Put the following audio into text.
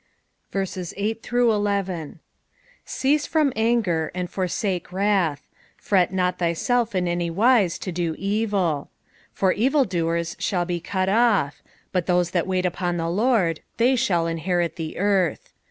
8 Cease from anger, and forsake wrath : fret not thyself in any wise to do evil. 9 For evil doers shall be cut ofT : but those that wait upon the Lord, they shall inherit the earth.